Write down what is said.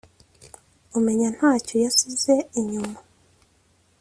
umenya ntacyo yasize inyuma !!